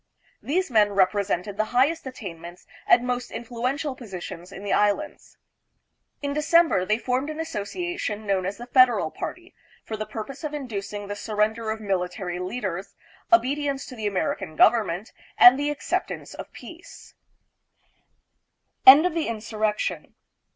These men represented the highest attainments and most influential po sitions in the Islands. In December they formed an association known as the Federal Party, for the purpose of inducing the surren der of military leaders, obedience to the Amer ican government, and the acceptance of peace. Governor Taft. End of the Insurrec tion.